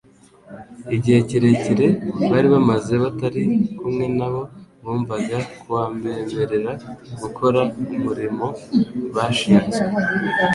igihe kirekire bari bamaze batari kumwe nabo bumvaga kuabemerera gukora umurimo bashinzwe.